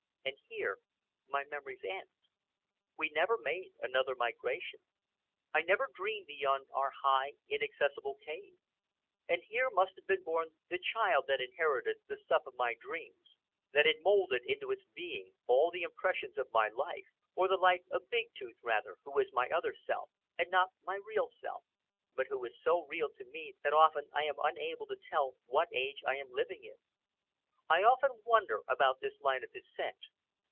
And here my memories end. We never made another migration. I never dream beyond our high, inaccessible cave. And here must have been born the child that inherited the stuff of my dreams, that had moulded into its being all the impressions of my life—or of the life of Big Tooth, rather, who is my other self, and not my real self, but who is so real to me that often I am unable to tell what age I am living in. I often wonder about this line of descent.